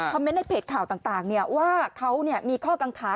เมนต์ในเพจข่าวต่างว่าเขามีข้อกังขา